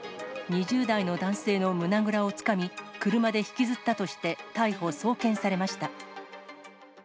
２０代の男性の胸倉をつかみ、車で引きずったとして逮捕・送検されました。